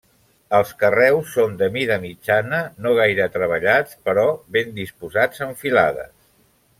Els carreus són de mida mitjana, no gaire treballats, però ben disposats en filades.